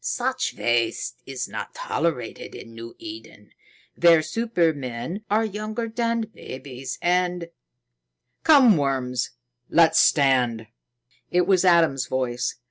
Such waste is not tolerated in New Eden, where supermen are younger than babes and " "Come, worms; let's land." It was Adam's voice.